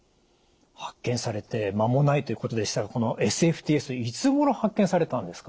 発見されて間もないということでしたがこのＳＦＴＳいつごろ発見されたんですか？